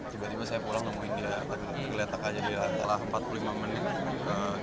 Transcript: tiba tiba saya pulang menemui dia tergeletak di lantai empat puluh lima menit